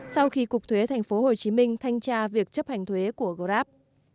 sau khi cục thuế tp hcm thanh tra việc chấp hành thuế của grab